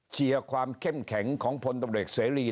เชียร์ความเข้มแข็งของพลตำรวจเสรี